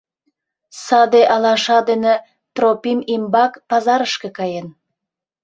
Саде алаша дене Тропим Имбак пазарышке каен.